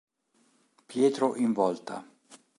Pietro in Volta".